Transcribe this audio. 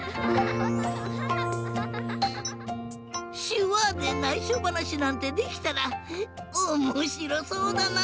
しゅわでないしょばなしなんてできたらおもしろそうだな！